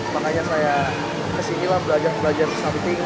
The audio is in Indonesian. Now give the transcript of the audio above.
makanya saya kesini lah belajar belajar sesamiting